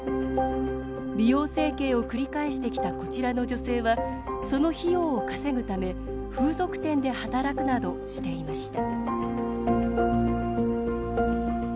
美容整形を繰り返してきたこちらの女性はその費用を稼ぐため風俗店で働くなどしていました。